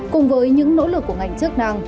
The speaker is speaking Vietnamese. cùng với những nỗ lực của ngành chức năng